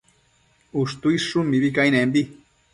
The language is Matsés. Ushtuidshun mibi cainembi